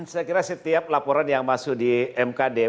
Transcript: saya kira setiap laporan yang masuk di mkd